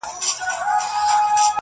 • علم شیطان دی خلک تېرباسي -